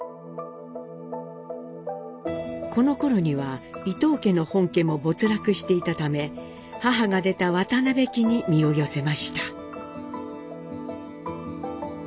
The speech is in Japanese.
このころには伊藤家の本家も没落していたため母が出た渡邉家に身を寄せました。